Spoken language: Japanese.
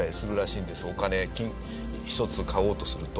お金１つ買おうとすると。